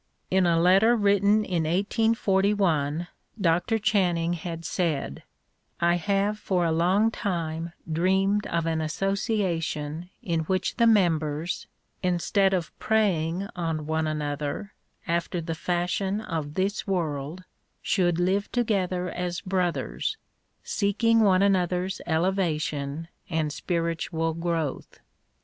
In a letter vsrritten in 1 841 Dr. Channing had said: "I have for a long time dreamed of an association in which the members, instead of preying on one another, after the fashion of this world, should live to gether as brothers, seeking one another's elevation and spiritual growth."